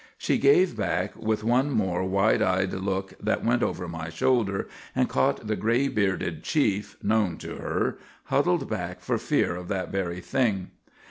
She gave back with one more wide eyed look that went over my shoulder and caught the grey bearded chief, known to her, huddled back for fear of that very thing.